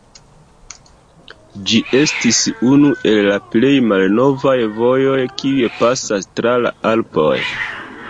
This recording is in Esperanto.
Ĝi estis unu el la plej malnovaj vojoj, kiuj pasas tra la Alpoj.